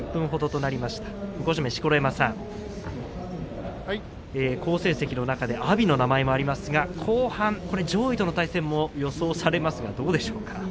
錣山さん、好成績の中に阿炎の名前もありますが後半上位との対戦も予想されますが、どうですか。